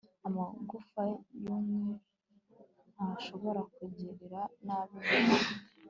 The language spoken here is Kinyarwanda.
Amagufa yumye ntashobora kugirira nabi umuntu